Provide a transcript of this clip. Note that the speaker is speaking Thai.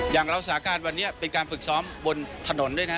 อย่างเราสาการวันนี้เป็นการฝึกซ้อมบนถนนด้วยนะ